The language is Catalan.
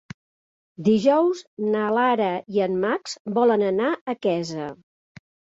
Dijous na Lara i en Max volen anar a Quesa.